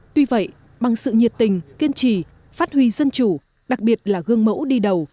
tuy vậy bằng sự nhiệt tình kiên trì phát huy dân chủ đặc biệt là gương mẫu đi đầu